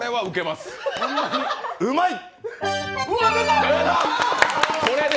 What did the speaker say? うまい！